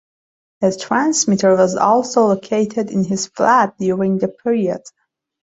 A transmitter was also located in his flat during the period.